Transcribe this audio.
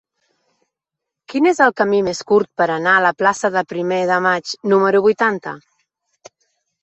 Quin és el camí més curt per anar a la plaça del Primer de Maig número vuitanta?